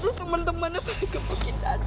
terus temen temennya balikin ke bukit dadu bu